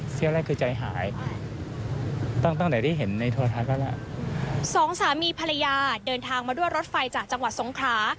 สองสามีภรรยาเดินทางมาด้วยรถไฟจากจังหวัดทรงคลา